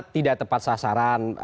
tidak tepat sasaran